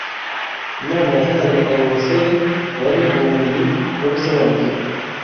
Imana yahaye abo basore bane ubumenyi no gusobanukirwa